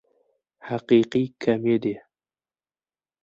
Haqiqiy komediya.